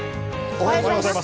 おはようございます。